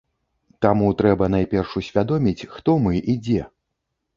Таму трэба найперш усвядоміць, хто мы і дзе.